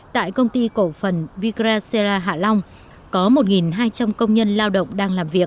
tại công ty cổ phần vcra seara hạ long có một hai trăm linh công nhân lao động đang làm việc